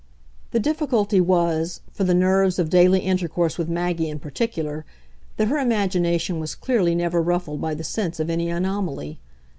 The difficulty was, for the nerves of daily intercourse with Maggie in particular, that her imagination was clearly never ruffled by the sense of any anomaly.